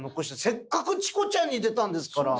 せっかく「チコちゃん」に出たんですから。